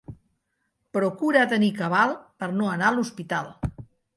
Procura tenir cabal per no anar a l'hospital.